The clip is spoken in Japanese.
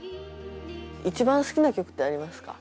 一番好きな曲ってありますか？